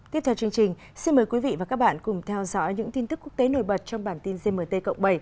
tiếp theo chương trình xin mời quý vị và các bạn cùng theo dõi những tin tức quốc tế nổi bật trong bản tin gmt cộng bảy